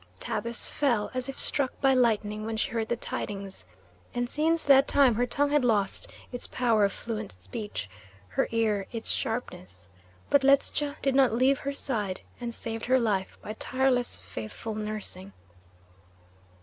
Tabus fell as if struck by lightning when she heard the tidings, and since that time her tongue had lost its power of fluent speech, her ear its sharpness; but Ledscha did not leave her side, and saved her life by tireless, faithful nursing.